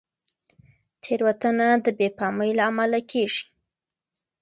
تېروتنه د بې پامۍ له امله کېږي.